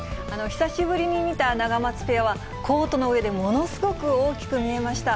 久しぶりに見たナガマツペアは、コートの上でものすごく大きく見えました。